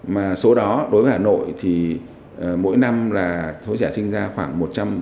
mà số đó đối với hà nội thì mỗi năm là số trẻ sinh ra khoảng một trăm linh